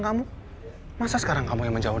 kamu masa sekarang kamu yang menjauh